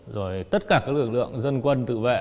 rồi tất cả các lực lượng dân quân tự vệ